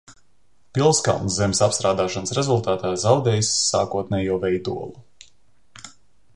Pilskalns zemes apstrādāšanas rezultātā zaudējis sākotnējo veidolu.